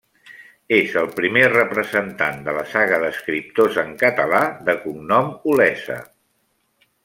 És el primer representant de la saga d’escriptors en català de cognom Olesa.